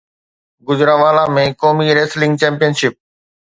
گوجرانوالا ۾ قومي wrestling champion ship